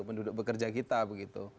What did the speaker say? penduduk bekerja kita begitu